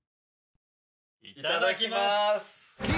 いただきます。